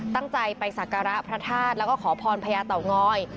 ตั้งใจไปสักการะพระธาตุแล้วก็ขอพรพญาเต่างอย